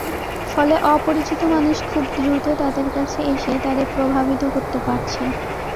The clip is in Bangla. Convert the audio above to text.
ফলে অপরিচিত মানুষ খুব দ্রুত তাদের কাছে এসে তাদের প্রভাবিত করতে পারছে।